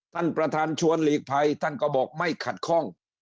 ท่านประธานชวนหลีกภัยท่านก็บอกไม่ขัดข้อง